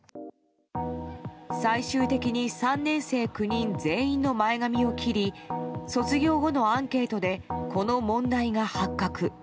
最終的に３年生９人全員の前髪を切り卒業後のアンケートでこの問題が発覚。